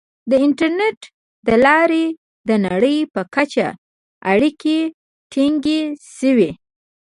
• د انټرنیټ له لارې د نړۍ په کچه اړیکې ټینګې شوې.